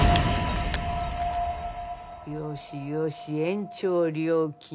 よしよし延長料金と。